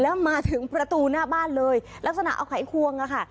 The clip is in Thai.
แล้วมาถึงประตูหน้าบ้านเลยลักษณะเอาไขควงอะค่ะ